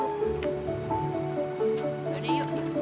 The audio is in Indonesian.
udah deh yuk